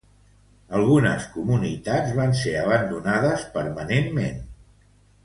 Algunes comunitats van ser abandonades permanentment.